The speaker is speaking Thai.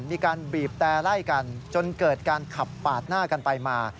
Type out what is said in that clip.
มีการบีบแต่ไล่กันจนเกิดการขับปาดหน้ากันไปมา